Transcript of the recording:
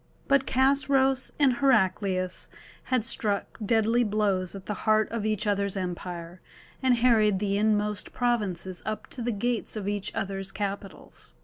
But Chosroës and Heraclius had struck deadly blows at the heart of each other's empire, and harried the inmost provinces up to the gates of each other's capitals.